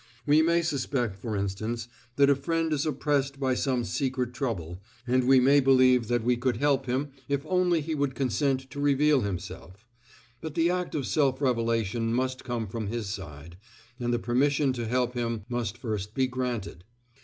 We may suspect, for instance, that a friend is oppressed by some secret trouble, and we may believe that we could help him if only he would consent to reveal himself; but the act of self revelation must come from his side, and the permission to help him must first be granted.